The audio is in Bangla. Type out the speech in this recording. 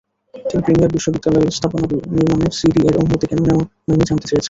তিনি প্রিমিয়ার বিশ্ববিদ্যালয়ের স্থাপনা নির্মাণে সিডিএর অনুমতি কেন নেওয়া হয়নি, জানতে চেয়েছেন।